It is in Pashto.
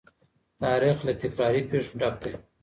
تاريخ له تکراري پېښو ډک دی.